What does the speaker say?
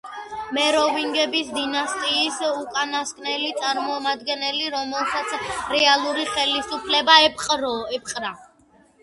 მეროვინგების დინასტიის უკანასკნელი წარმომადგენელი, რომელსაც რეალური ხელისუფლება ეპყრა.